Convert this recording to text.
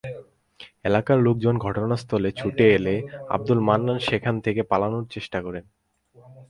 এলাকার লোকজন ঘটনাস্থলে ছুটে এলে আবদুল মান্নান সেখান থেকে পালানোর চেষ্টা করেন।